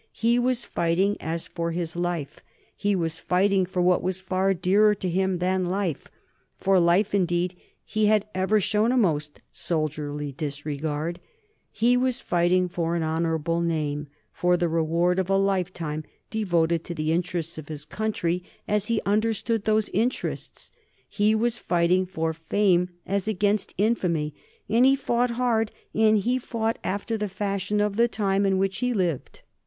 He was fighting as for his life; he was fighting for what was far dearer to him than life for life, indeed, he had ever shown a most soldierly disregard; he was fighting for an honorable name, for the reward of a lifetime devoted to the interests of his country, as he understood those interests; he was fighting for fame as against infamy, and he fought hard and he fought after the fashion of the time in which he lived.